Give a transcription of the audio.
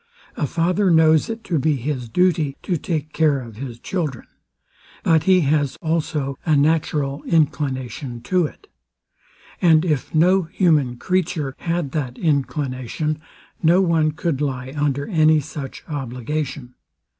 A father knows it to be his duty to take care of his children: But he has also a natural inclination to it. And if no human creature had that inclination, no one could lie under any such obligation.